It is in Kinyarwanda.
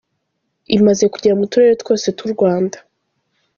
Imaze kugera mu turere twose tw’u Rwanda.